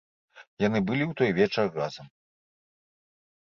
Яны былі ў той вечар разам.